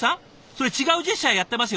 それ違うジェスチャーやってますよね？